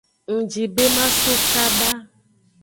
Ngji be maso kaba.